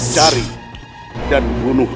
cari dan bunuh